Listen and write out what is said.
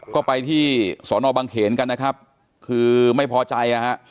ก็ไปที่สอนอบังเขนกันนะครับคือไม่พอใจนะฮะ